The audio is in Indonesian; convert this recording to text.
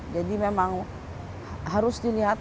jadi memang harus dilihat